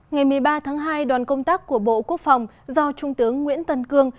ngày một mươi ba tháng hai đoàn công tác của bộ quốc phòng do trung tướng nguyễn tân cương